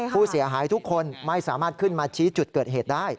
ผู้เสียหายทุกคนไม่สามารถขึ้นมาชี้จุดเกิดเหตุได้